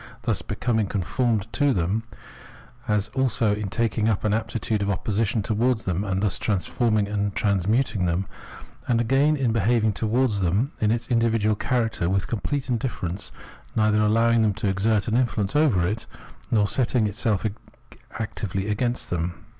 thus becoming conformed to them, as also in taking up an attitude of opposition towards them and thus transforming and transmuting Observation of Self consciousness 293 them ; and again in behaving towards them in its in dividual character with complete indifference, neither allowing them to exert an influence over it, nor setting itself actively against them.